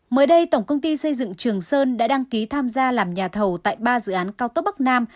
mới đây tổng công ty xây dựng trường sơn đã đăng ký tham gia làm nhà thầu tại ba dự án cao tốc bắc nam